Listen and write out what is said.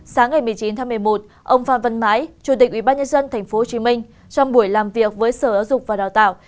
sáng ngày một mươi chín tháng một mươi một ông phan văn mãi chủ tịch ubnd tp hcm trong buổi làm việc với sở giáo dục và đào tạo